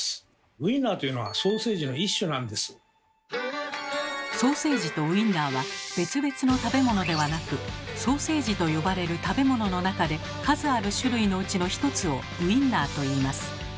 ウインナーというのはソーセージとウインナーは別々の食べ物ではなく「ソーセージ」と呼ばれる食べ物の中で数ある種類のうちの一つを「ウインナー」といいます。